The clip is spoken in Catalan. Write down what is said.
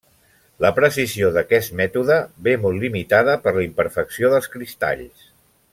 La precisió d'aquest mètode ve molt limitada per la imperfecció dels cristalls.